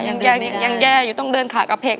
ยังแย่อยู่ต้องเดินขากระเพก